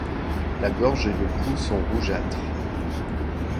La gorge et le cou sont rougeâtres.